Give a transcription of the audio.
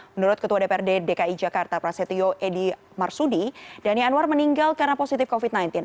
menurut ketua dprd dki jakarta prasetyo edy marsudi dhani anwar meninggal karena positif covid sembilan belas